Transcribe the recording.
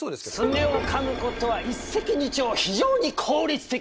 爪をかむことは一石二鳥非常に効率的なんじゃ！